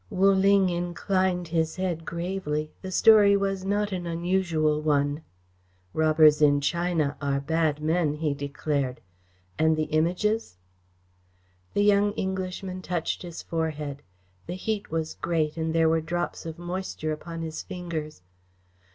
Wu Ling inclined his head gravely. The story was not an unusual one. "Robbers in China are bad men," he declared. "And the Images?" The young Englishman touched his forehead. The heat was great and there were drops of moisture upon his fingers.